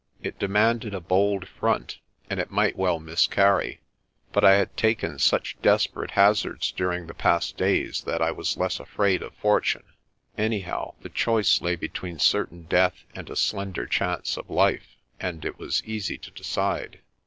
It demanded a bold front and it might well miscarry, but I had taken such desperate hazards dur ing the past days that I was less afraid of fortune. Anyhow the choice lay between certain death and a slender chance of life, and it was easy to decide.